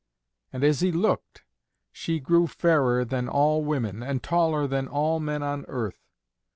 And as he looked, she grew fairer than all women and taller than all men on earth.